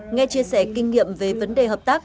nghe chia sẻ kinh nghiệm về vấn đề hợp tác